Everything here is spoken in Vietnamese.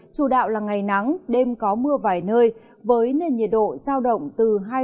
chủ đạo là ngày nắng đêm có mưa vài nơi với nền nhiệt độ giao động từ hai mươi